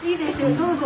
どうぞ。